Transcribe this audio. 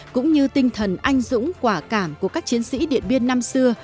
cũng như tinh thần anh dũng quả cảm của các chiến sĩ điện biên năm xưa